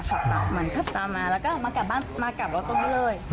ขับตามมันขับตามมาแล้วก็มากลับรถตรงนี้เลย